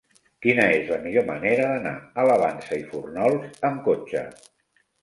Quina és la millor manera d'anar a la Vansa i Fórnols amb cotxe?